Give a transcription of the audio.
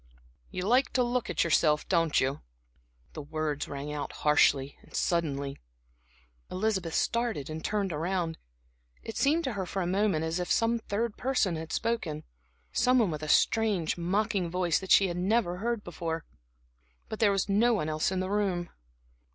"You like to look at yourself, don't you?" The words rang out harshly, suddenly. Elizabeth started and turned around. It seemed to her for a moment as if some third person had spoken some one with a strange, mocking voice that she had never heard before. But there was no one else in the room.